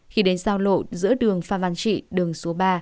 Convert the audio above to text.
khi đến sao lộ giữa đường pháp văn trị đường số ba